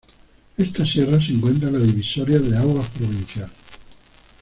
Esta sierra se encuentra en la divisoria de aguas provincial.